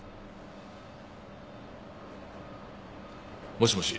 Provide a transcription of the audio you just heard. もしもし？